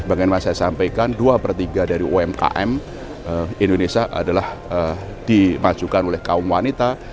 bagaimana saya sampaikan dua per tiga dari umkm indonesia adalah dimajukan oleh kaum wanita